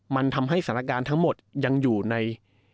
มันทำให้สถานการณ์ทั้งหมดยังอยู่ใน